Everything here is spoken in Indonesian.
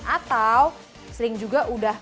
atau sering juga udah